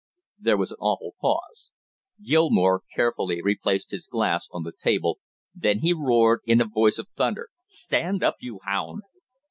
There was an awful pause. Gilmore carefully replaced his glass on the table, then he roared in a voice of thunder: "Stand up, you hound!"